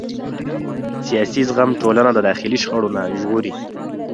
سیاسي زغم ټولنه د داخلي شخړو نه ژغوري